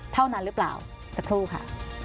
เท่านั้นหรือเปล่าสักครู่ค่ะ